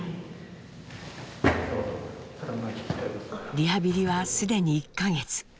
リハビリは既に１か月。